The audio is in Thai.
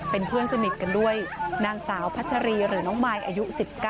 เป็นเพื่อนสนิทกันด้วยนางสาวพัชรีหรือน้องมายอายุ๑๙